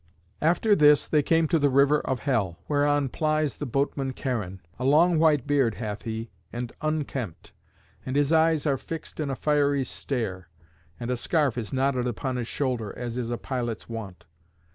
After this they came to the river of hell, whereon plies the Boatman Charon. A long white beard hath he and unkempt; and his eyes are fixed in a fiery stare, and a scarf is knotted upon his shoulder, as is a pilot's wont.